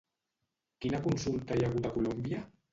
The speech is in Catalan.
Quina consulta hi ha hagut a Colòmbia?